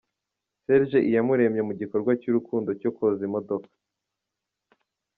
Serge Iyamuremye mu gikorwa cy'urukundo cyo koza imodoka.